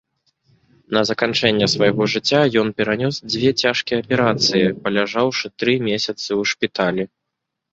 На заканчэнне свайго жыцця ён перанёс дзве цяжкія аперацыі, праляжаўшы тры месяцы ў шпіталі.